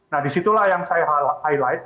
nah disitulah yang saya highlight